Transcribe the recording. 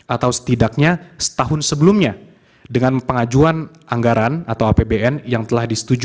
atau setidaknya setahun sebelumnya dengan pengajuan anggaran atau apbn yang telah disetujui